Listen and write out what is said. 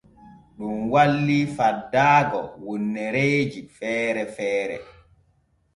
Ɗun walli faddaago wonnereeji feere feere.